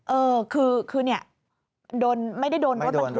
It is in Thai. เออคือเนี่ยไม่ได้โดนรถบรรทุก